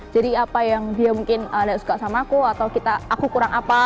jadi apa yang dia mungkin nggak suka sama aku atau aku kurang apa